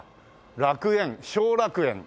楽園小楽園。